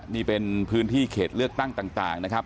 นี่เป็นพื้นที่เขตเลือกตั้งต่างนะครับ